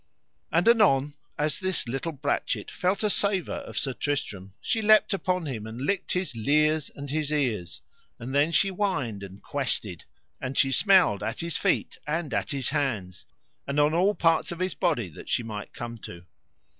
And anon as this little brachet felt a savour of Sir Tristram, she leapt upon him and licked his lears and his ears, and then she whined and quested, and she smelled at his feet and at his hands, and on all parts of his body that she might come to.